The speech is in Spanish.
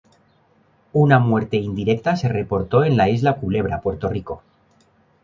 Una muerte indirecta se reportó en la Isla Culebra, Puerto Rico.